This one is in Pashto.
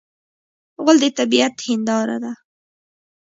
غول د طبعیت هنداره ده.